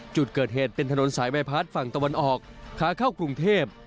จุดเกิดเหตุเป็นถนนสายใบพัดฝั่งตะวันออกขาเข้ากรุงเทพ